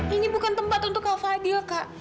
ini bukan tempat untuk kak fadil kak